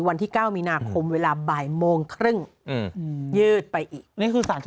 วันที่๙มีนาคมเวลาบ่ายโมงครึ่งยืดไปอีกนี่คือสารชั้น